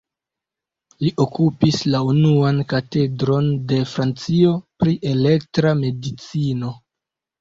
Li okupis la unuan katedron de Francio pri elektra medicino.